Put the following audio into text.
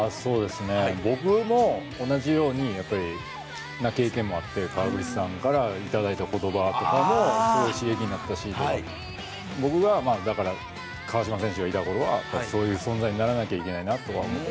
僕も同じような経験あって川口さんから頂いた言葉とかも刺激になったり僕が川島選手がいた頃はそういう存在にならなきゃいけないなと。